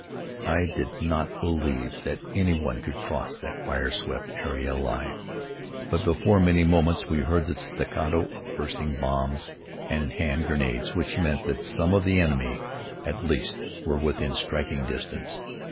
I did not believe that any one could cross that fire swept area alive, but before many moments we heard the staccato of bursting bombs and hand grenades which meant that some of the enemy, at least, were within striking distance.